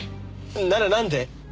ならなんで？